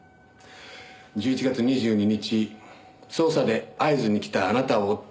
１１月２２日捜査で会津に来たあなたを追って